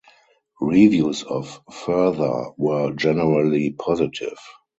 Reviews of "Further" were generally positive.